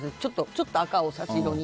ちょっと赤をさし色に。